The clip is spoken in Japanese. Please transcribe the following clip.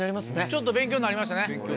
ちょっと勉強になりましたね。